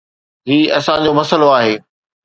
هي اسان جو مسئلو آهي.